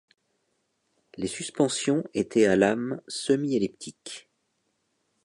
Les suspensions étaient à lames semi-elliptiques.